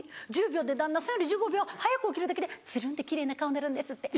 １０秒で旦那さんより１５秒早く起きるだけでつるんって奇麗な顔になるんですって。